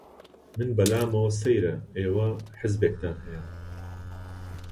من بە لامەوە سەیرە ئێوە حیزبێکتان هەیە!